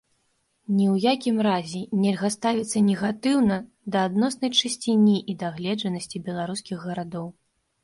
Ні ў якім разе нельга ставіцца негатыўна да адноснай чысціні і дагледжанасці беларускіх гарадоў.